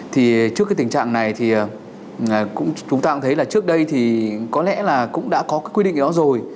thì trước cái tình trạng này thì chúng ta cũng thấy là trước đây thì có lẽ là cũng đã có cái quy định đó rồi